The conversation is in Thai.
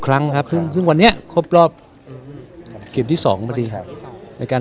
ครั้งครับซึ่งวันนี้ครบรอบเกมที่๒พอดีครับในการ